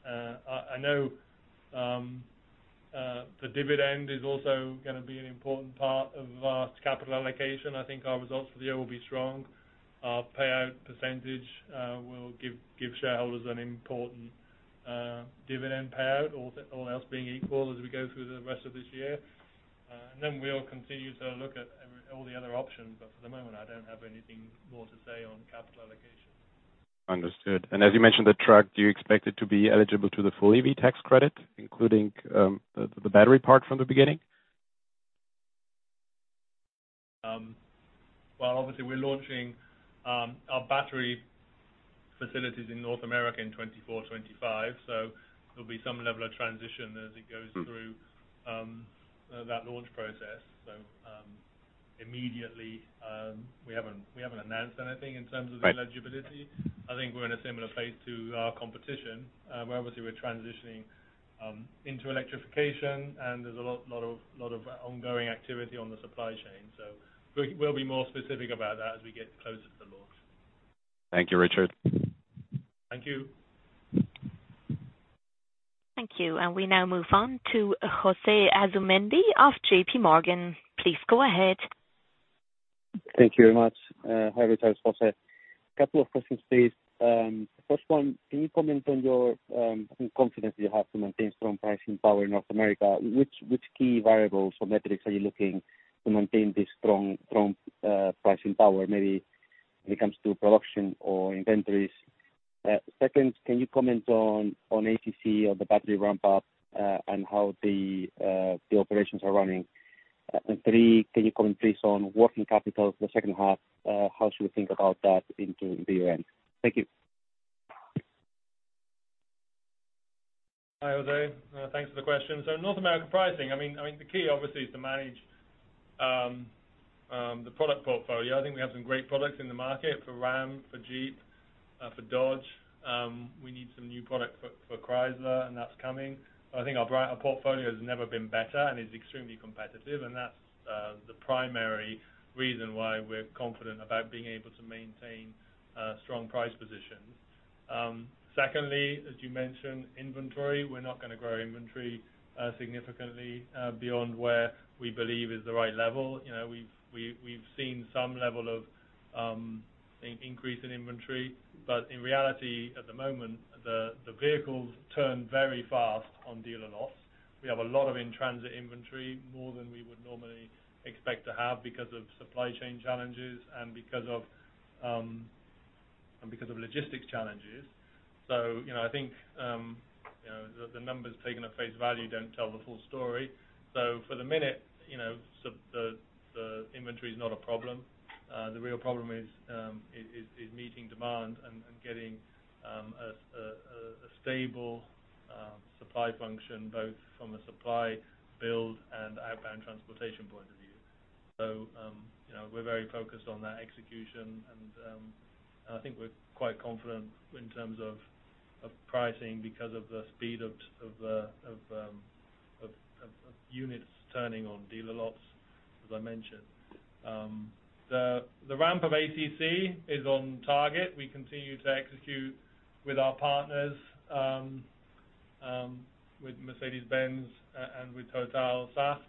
I know the dividend is also gonna be an important part of our capital allocation. I think our results for the year will be strong. Our payout percentage will give shareholders an important dividend payout, all else being equal as we go through the rest of this year. We'll continue to look at all the other options, but for the moment, I don't have anything more to say on capital allocation. Understood. As you mentioned, the truck, do you expect it to be eligible to the full EV tax credit, including the battery part from the beginning? Well, obviously we're launching our battery facilities in North America in 2024, 2025, so there'll be some level of transition as it goes through. Mm. That launch process. Immediately, we haven't announced anything in terms of. Right.... eligibility. I think we're in a similar place to our competition, where obviously we're transitioning into electrification, and there's a lot of ongoing activity on the supply chain. We'll be more specific about that as we get closer to launch. Thank you, Richard. Thank you. Thank you. We now move on to José Asumendi of JPMorgan. Please go ahead. Thank you very much. Hi, Richard. It's José. Couple of questions, please. First one, can you comment on your confidence you have to maintain strong pricing power in North America? Which key variables or metrics are you looking to maintain this strong pricing power? Maybe when it comes to production or inventories. Second, can you comment on ACC or the battery ramp up, and how the operations are running? Three, can you comment please on working capital the second half, how should we think about that into the year-end? Thank you. Hi, José. Thanks for the question. North American pricing. I mean, the key obviously is to manage the product portfolio. I think we have some great products in the market for Ram, for Jeep, for Dodge. We need some new product for Chrysler and that's coming. I think our portfolio has never been better and is extremely competitive, and that's the primary reason why we're confident about being able to maintain strong price positions. Secondly, as you mentioned, inventory. We're not gonna grow inventory significantly beyond where we believe is the right level. You know, we've seen some level of increase in inventory. In reality, at the moment, the vehicles turn very fast on dealer lots. We have a lot of in-transit inventory, more than we would normally expect to have because of supply chain challenges and logistics challenges. You know, I think, you know, the numbers taken at face value don't tell the full story. For the moment, you know, the inventory is not a problem. The real problem is meeting demand and getting a stable supply function, both from a supply build and outbound transportation point of view. You know, we're very focused on that execution and I think we're quite confident in terms of pricing because of the speed of units turning on dealer lots, as I mentioned. The ramp of ACC is on target. We continue to execute with our partners, with Mercedes-Benz and with Total/Saft.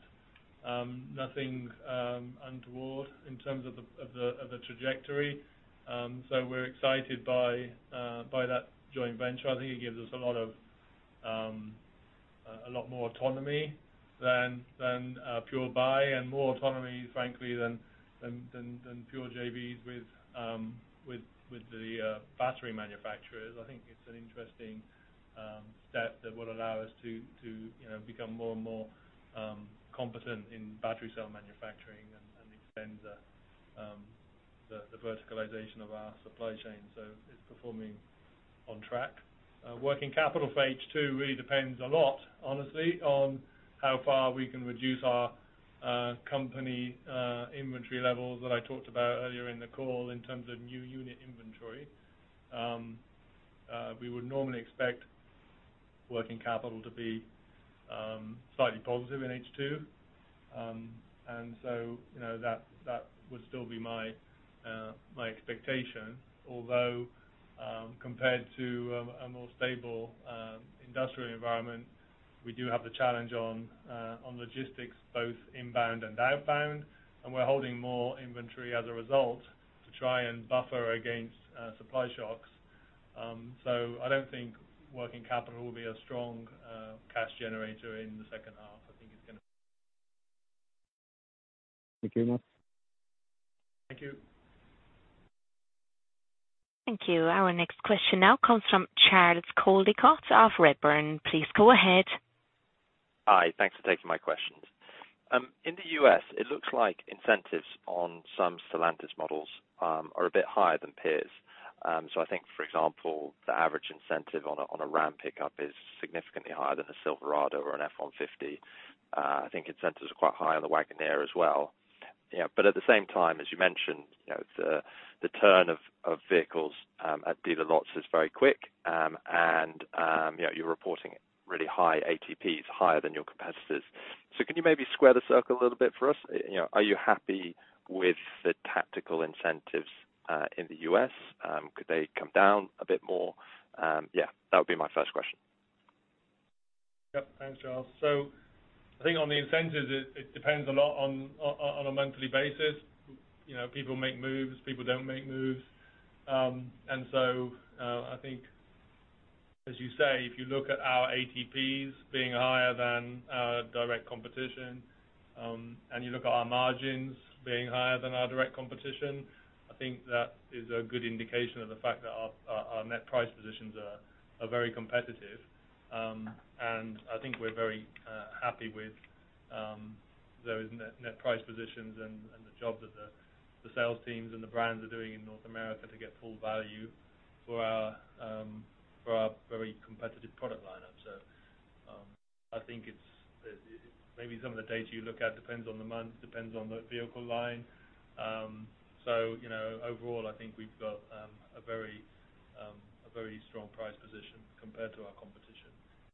Nothing untoward in terms of the trajectory. We're excited by that joint venture. I think it gives us a lot more autonomy than pure buy and more autonomy, frankly, than pure JVs with the battery manufacturers. I think it's an interesting step that will allow us to, you know, become more and more competent in battery cell manufacturing and extend the verticalization of our supply chain. It's performing on track. Working capital for H2 really depends a lot, honestly, on how far we can reduce our company inventory levels that I talked about earlier in the call in terms of new unit inventory. We would normally expect working capital to be slightly positive in H2. You know, that would still be my expectation. Although compared to a more stable industrial environment, we do have the challenge on logistics, both inbound and outbound, and we're holding more inventory as a result to try and buffer against supply shocks. I don't think working capital will be a strong cash generator in the second half. I think it's gonna- Thank you very much. Thank you. Thank you. Our next question now comes from Charles Coldicott of Redburn. Please go ahead. Hi. Thanks for taking my questions. In the US, it looks like incentives on some Stellantis models are a bit higher than peers. I think, for example, the average incentive on a Ram pickup is significantly higher than a Silverado or an F-150. I think incentives are quite high on the Wagoneer as well. You know, at the same time, as you mentioned, you know, the turn of vehicles at dealer lots is very quick. You're reporting really high ATPs, higher than your competitors. Can you maybe square the circle a little bit for us? You know, are you happy with the tactical incentives in the U.S.? Could they come down a bit more? Yeah, that would be my first question. Yep. Thanks, Charles. I think on the incentives, it depends a lot on a monthly basis. You know, people make moves, people don't make moves. I think, as you say, if you look at our ATPs being higher than our direct competition, and you look at our margins being higher than our direct competition, I think that is a good indication of the fact that our net price positions are very competitive. I think we're very happy with those net price positions and the job the sales teams and the brands are doing in North America to get full value for our very competitive product line up. I think it's maybe some of the data you look at depends on the month, depends on the vehicle line. You know, overall, I think we've got a very strong price position compared to our competition.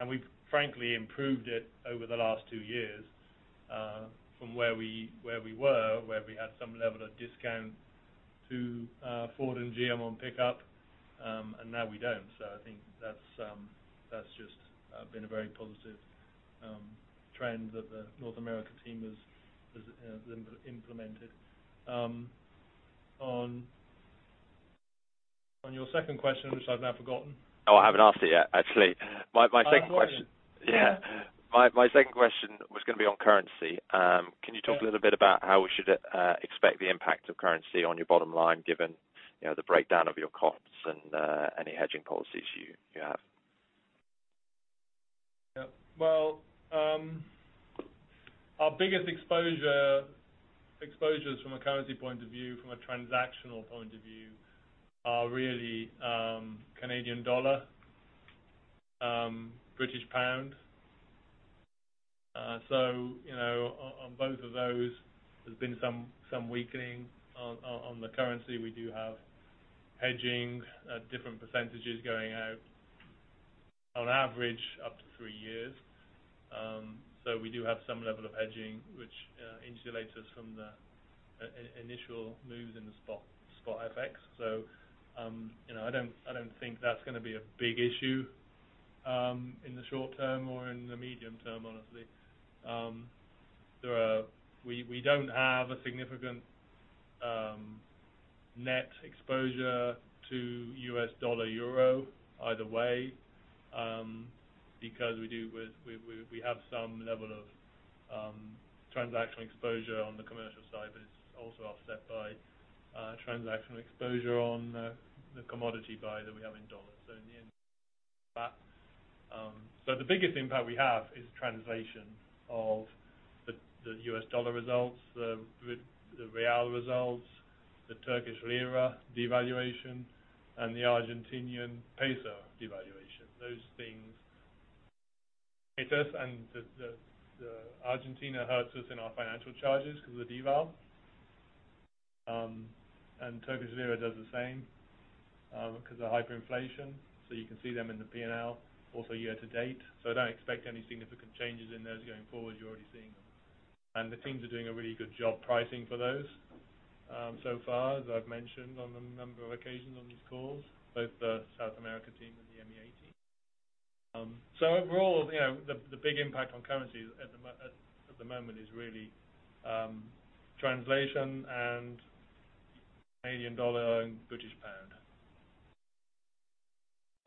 We've frankly improved it over the last two years from where we were, where we had some level of discount to Ford and GM on pickup. Now we don't. I think that's just been a very positive trend that the North America team has implemented. On your second question, which I've now forgotten. Oh, I haven't asked it yet, actually. My second question- Oh, sorry. Yeah. My second question was gonna be on currency. Yeah. Can you talk a little bit about how we should expect the impact of currency on your bottom line, given, you know, the breakdown of your costs and any hedging policies you have? Yeah. Well, our biggest exposure from a currency point of view, from a transactional point of view, are really Canadian dollar, British pound. You know, on both of those, there's been some weakening. On the currency, we do have hedging at different percentages going out, on average, up to three years. We do have some level of hedging, which insulates us from the initial moves in the spot FX. You know, I don't think that's gonna be a big issue in the short term or in the medium term, honestly. There are. We don't have a significant net exposure to U.S. dollar euro either way, because we have some level of transactional exposure on the commercial side, but it's also offset by transactional exposure on the commodity buy that we have in dollars. In the end, the biggest impact we have is translation of the U.S. dollar results, the real results, the Turkish lira devaluation, and the Argentinian peso devaluation. Those things hit us and the Argentina hurts us in our financial charges because of the deval. Turkish lira does the same 'cause of hyperinflation. You can see them in the P&L also year to date. I don't expect any significant changes in those going forward. You're already seeing them. The teams are doing a really good job pricing for those, so far, as I've mentioned on a number of occasions on these calls, both the South America team and the EMEA team. Overall, you know, the big impact on currency at the moment is really translation and Canadian dollar and British pound.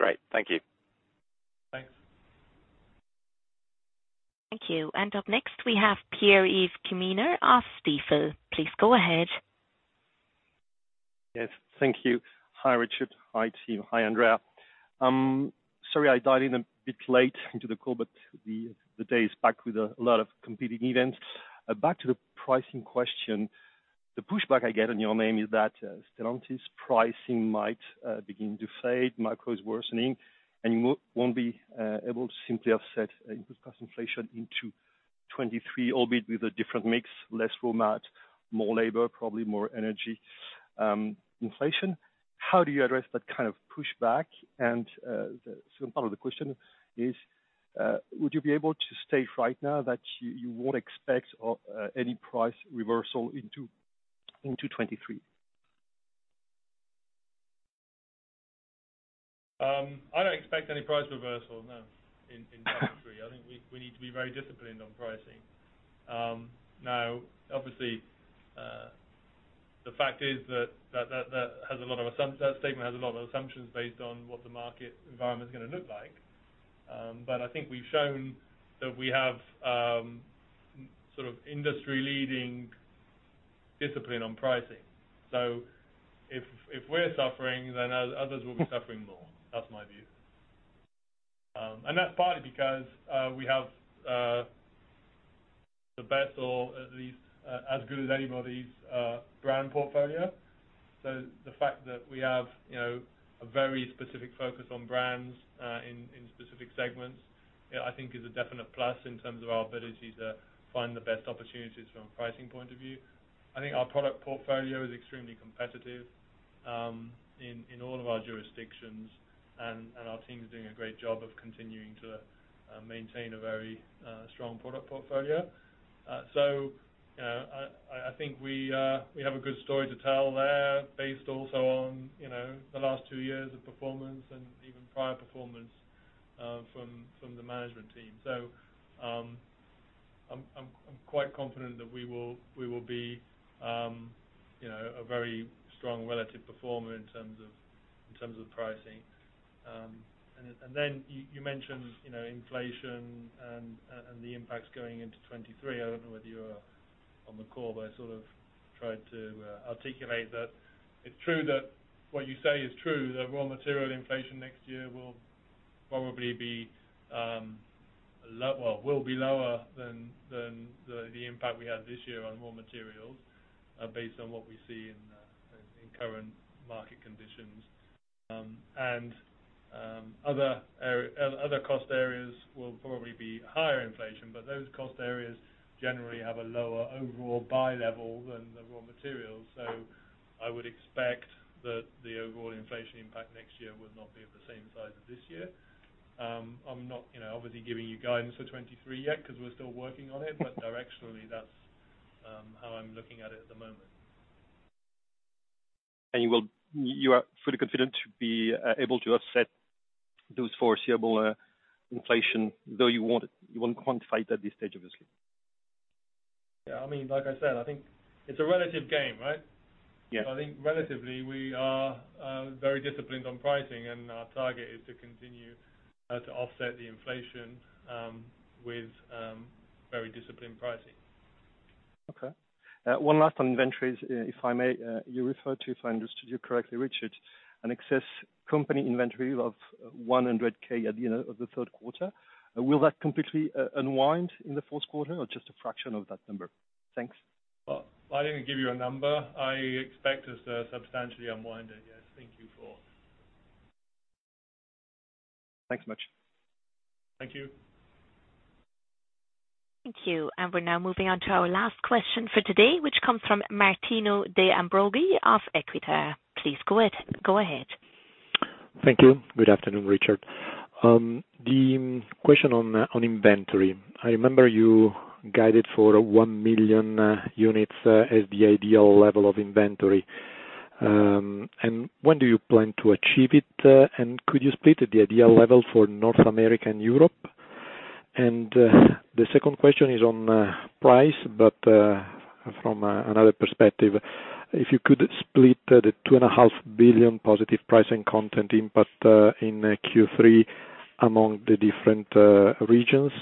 Great. Thank you. Thanks. Thank you. Up next we have Pierre-Yves Quemener of Stifel. Please go ahead. Yes, thank you. Hi, Richard. Hi, team. Hi, Andrea. Sorry I dialed in a bit late into the call, but the day is packed with a lot of competing events. Back to the pricing question. The pushback I get on your name is that Stellantis pricing might begin to fade, macro is worsening, and you won't be able to simply offset input cost inflation into 2023, albeit with a different mix, less raw mat, more labor, probably more energy, inflation. How do you address that kind of push back? And the second part of the question is, would you be able to state right now that you won't expect any price reversal into 2023? I don't expect any price reversal in 2023. I think we need to be very disciplined on pricing. Now, obviously, the fact is that that statement has a lot of assumptions based on what the market environment is gonna look like. I think we've shown that we have sort of industry-leading discipline on pricing. If we're suffering, then others will be suffering more. That's my view. That's partly because we have the best or at least as good as anybody's brand portfolio. The fact that we have, you know, a very specific focus on brands in specific segments I think is a definite plus in terms of our ability to find the best opportunities from a pricing point of view. I think our product portfolio is extremely competitive in all of our jurisdictions, and our team is doing a great job of continuing to maintain a very strong product portfolio. So, you know, I think we have a good story to tell there based also on, you know, the last two years of performance and even prior performance from the management team. I'm quite confident that we will be, you know, a very strong relative performer in terms of pricing. And then you mentioned, you know, inflation and the impacts going into 2023. I don't know whether you were on the call, but I sort of tried to articulate that it's true that what you say is true, that raw material inflation next year will probably be lower than the impact we had this year on raw materials, based on what we see in current market conditions. Other cost areas will probably be higher inflation, but those cost areas generally have a lower overall buy level than the raw materials. I would expect that the overall inflation impact next year will not be of the same size as this year. I'm not, you know, obviously giving you guidance for 2023 yet 'cause we're still working on it. Directionally, that's how I'm looking at it at the moment. You are fully confident to be able to offset those foreseeable inflation, though you won't quantify it at this stage, obviously? Yeah, I mean, like I said, I think it's a relative game, right? Yeah. I think relatively we are very disciplined on pricing, and our target is to continue to offset the inflation with very disciplined pricing. Okay. One last on inventories, if I may. You referred to, if I understood you correctly, Richard, an excess company inventory of 100,000 at the end of the third quarter. Will that completely unwind in the fourth quarter or just a fraction of that number? Thanks. Well, I didn't give you a number. I expect us to substantially unwind it, yes. Thank you for. Thanks much. Thank you. Thank you. We're now moving on to our last question for today, which comes from Martino De Ambroggi of Equita. Please go ahead. Go ahead. Thank you. Good afternoon, Richard. The question on inventory. I remember you guided for 1 million units as the ideal level of inventory. When do you plan to achieve it? Could you split the ideal level for North America and Europe? The second question is on price, but from another perspective. If you could split the 2.5 billion positive pricing content impact in Q3 among the different regions.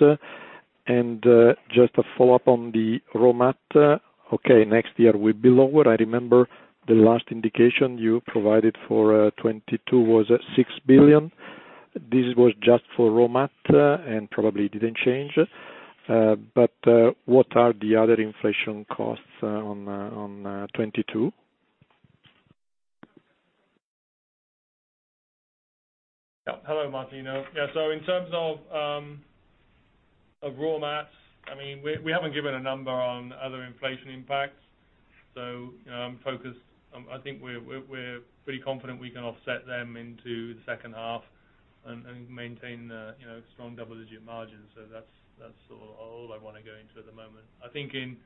Just a follow-up on the raw mat. Okay, next year will be lower. I remember the last indication you provided for 2022 was at 6 billion. This was just for raw mat, and probably didn't change. What are the other inflation costs on 2022? Yeah. Hello, Martino. Yeah. In terms of raw materials, I mean, we haven't given a number on other inflation impacts. You know, I'm focused. I think we're pretty confident we can offset them into the second half and maintain the you know, strong double-digit margins. That's sort of all I wanna go into at the moment. I think in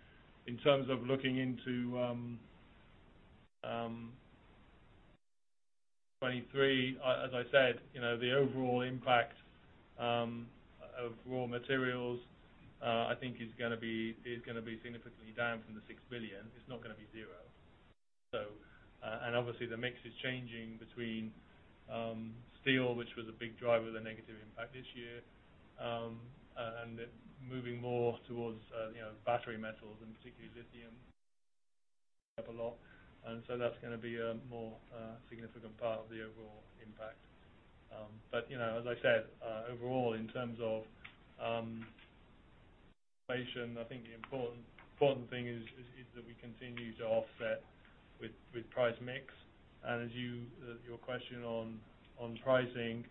terms of looking into 2023, as I said, you know, the overall impact of raw materials I think is gonna be significantly down from the 6 billion. It's not gonna be zero. And obviously the mix is changing between steel, which was a big driver of the negative impact this year, and it moving more towards you know, battery metals and particularly lithium up a lot. That's gonna be a more significant part of the overall impact. You know, as I said, overall in terms of inflation, I think the important thing is that we continue to offset with price mix. As to your question on pricing,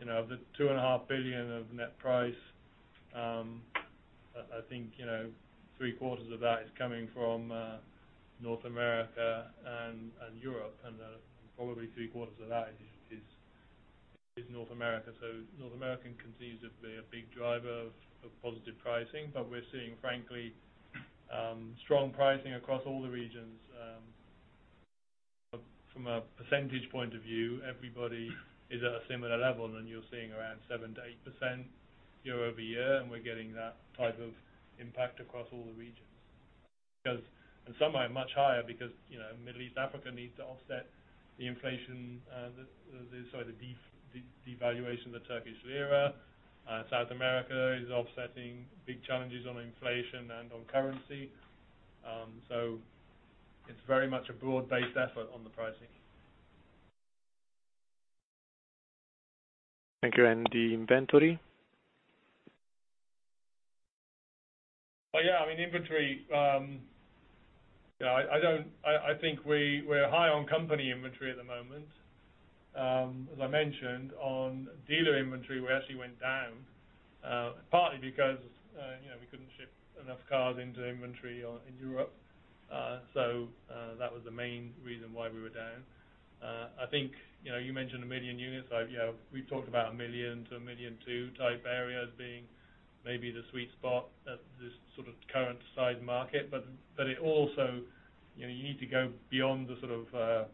you know, the 2.5 billion of net price, I think, you know, three quarters of that is coming from North America and Europe. Probably three quarters of that is North America. North America continues to be a big driver of positive pricing. We're seeing, frankly, strong pricing across all the regions. From a percentage point of view, everybody is at a similar level, and you're seeing around 7%-8% year-over-year, and we're getting that type of impact across all the regions. Some are much higher because, you know, Middle East, Africa needs to offset the inflation, the devaluation of the Turkish lira. South America is offsetting big challenges on inflation and on currency. It's very much a broad-based effort on the pricing. Thank you. The inventory? Oh, yeah. I mean, inventory. I think we're high on company inventory at the moment. As I mentioned on dealer inventory, we actually went down partly because you know, we couldn't ship enough cars into inventory in Europe. That was the main reason why we were down. I think you know, you mentioned 1 million units. Yeah, we've talked about 1 million-1.2 million type areas being maybe the sweet spot at this sort of current size market. It also, you know, you need to go beyond the sort of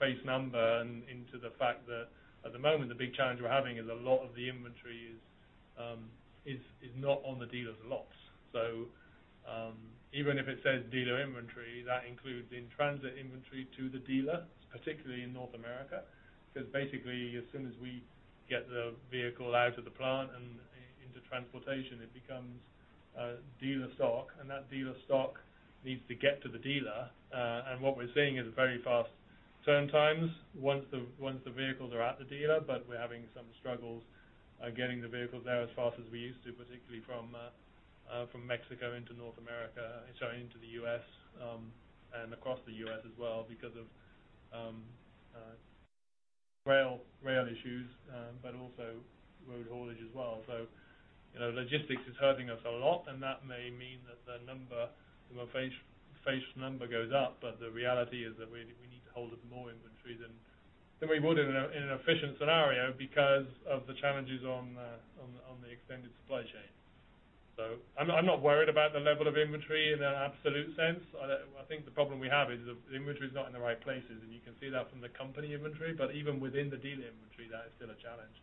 face number and into the fact that at the moment the big challenge we're having is a lot of the inventory is not on the dealers' lots. Even if it says dealer inventory, that includes in-transit inventory to the dealer, particularly in North America. 'Cause basically, as soon as we get the vehicle out of the plant and into transportation, it becomes dealer stock. That dealer stock needs to get to the dealer. What we're seeing is very fast turn times once the vehicles are at the dealer, but we're having some struggles getting the vehicles there as fast as we used to, particularly from Mexico into the U.S., and across the U.S. as well because of rail issues, but also road haulage as well. You know, logistics is hurting us a lot, and that may mean that the FAS number goes up, but the reality is that we need to hold up more inventory than we would in an efficient scenario because of the challenges on the extended supply chain. I'm not worried about the level of inventory in an absolute sense. I think the problem we have is the inventory is not in the right places, and you can see that from the company inventory, but even within the dealer inventory, that is still a challenge.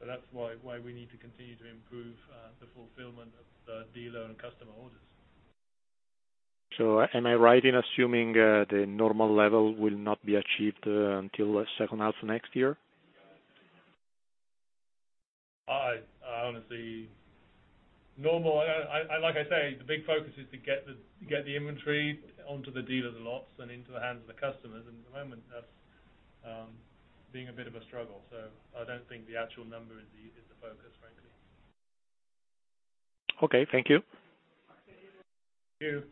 That's why we need to continue to improve the fulfillment of dealer and customer orders. Am I right in assuming the normal level will not be achieved until second half of next year? I honestly normally like I say the big focus is to get the inventory onto the dealers' lots and into the hands of the customers and at the moment that's being a bit of a struggle. I don't think the actual number is the focus frankly. Okay. Thank you. Thank you.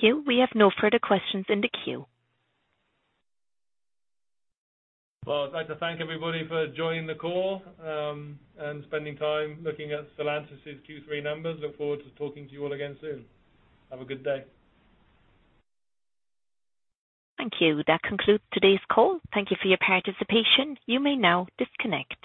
Thank you. We have no further questions in the queue. Well, I'd like to thank everybody for joining the call, and spending time looking at Stellantis' Q3 numbers. Look forward to talking to you all again soon. Have a good day. Thank you. That concludes today's call. Thank you for your participation. You may now disconnect.